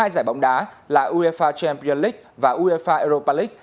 hai giải bóng đá là uefa champions league và uefa europa league